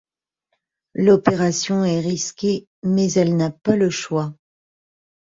L'opération est risquée mais elle n'a pas le choix.